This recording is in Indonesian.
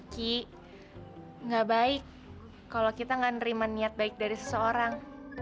ki gak baik kalau kita nggak nerima niat baik dari seseorang